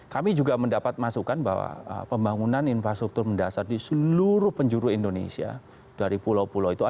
kami juga mendapat masukan bahwa pembangunan infrastruktur mendasar di seluruh penjuru indonesia dari pulau pulau itu ada